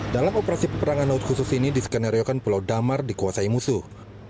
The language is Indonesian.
dalam operasi peperangan laut khusus ini diskenariokan pulau damar dikuasai musuh